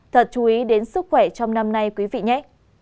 thật chú ý đến sức khỏe trong năm nay quý vị nhé